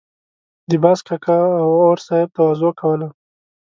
د باز کاکا او اور صاحب تواضع کوله.